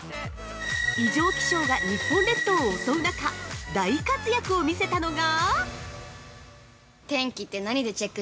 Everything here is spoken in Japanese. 異常気象が日本列島を襲う中、大活躍を見せたのが。